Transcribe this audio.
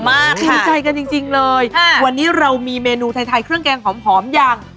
ถูกใจกันจริงเลยวันนี้เรามีเมนูไทยเครื่องแกงหอมอย่าง